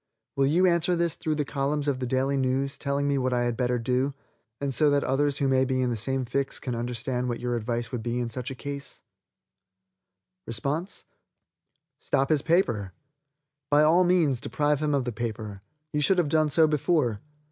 Will you answer this through the columns of the Daily News telling me what I had better do, and so that others who may be in the same fix can understand what your advice would be in such a case?" Stop his paper. By all means deprive him of the paper. You should have done so before.